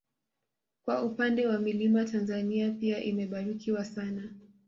Kwa upande wa milima Tanzania pia imebarikiwa sana